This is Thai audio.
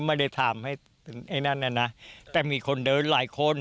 ไม่ได้ทำให้ไอ้นั่นน่ะนะแต่มีคนเดินหลายคน